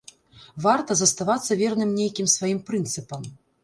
Варта заставацца верным нейкім сваім прынцыпам.